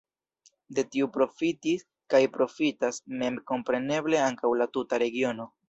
De tio profitis kaj profitas memkompreneble ankaŭ la tuta regiono.